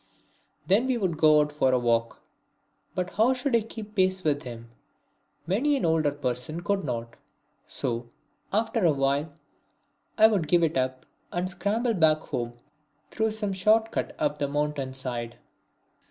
Then we would go out for a walk. But how should I keep pace with him? Many an older person could not! So, after a while, I would give it up and scramble back home through some short cut up the mountain side.